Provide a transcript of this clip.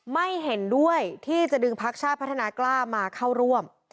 ไม่เห็นด้วยที่จะดึงพักชาติพัฒนากล้ามาเข้าร่วม